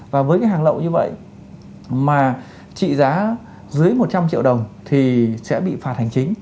và với cái hàng lậu như vậy mà trị giá dưới một trăm linh triệu đồng thì sẽ bị phạt hành chính